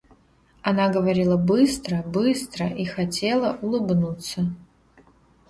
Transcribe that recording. Она говорила быстро, быстро и хотела улыбнуться.